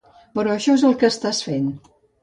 Però això és el que estàs fent.